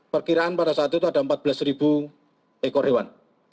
perkiraan pada saat itu ada empat belas ekor hewan